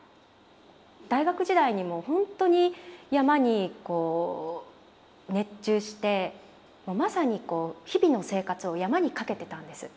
大学時代にも本当に山にこう熱中してまさにこう日々の生活を山に懸けてたんです。